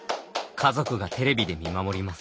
家族がテレビで見守ります。